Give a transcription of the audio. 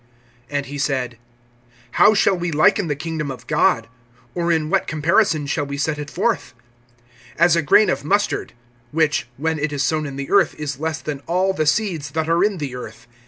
(30)And he said: How shall we liken the kingdom of God, or in what comparison shall we set it forth? (31)As a grain of mustard; which, when it is sown in the earth, is less than all the seeds that are in the earth.